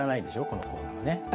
このコーナーね。